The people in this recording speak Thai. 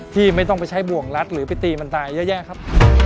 ที่ไม่ต้องไปใช้บ่วงรัดหรือไปตีมันตายเยอะแยะครับ